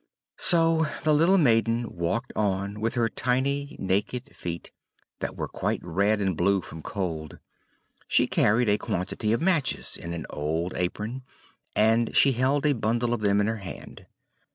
So the little maiden walked on with her tiny naked feet, that were quite red and blue from cold. She carried a quantity of matches in an old apron, and she held a bundle of them in her hand.